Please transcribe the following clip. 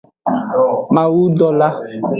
Mawudola.